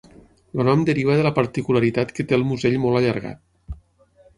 El nom deriva de la particularitat que té el musell molt allargat.